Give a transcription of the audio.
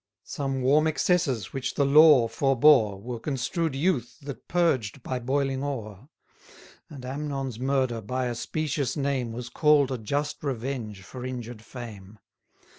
Some warm excesses which the law forbore, Were construed youth that purged by boiling o'er; And Amnon's murder by a specious name, Was call'd a just revenge for injured fame.